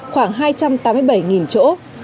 khoảng hai trăm tám mươi bảy chỗ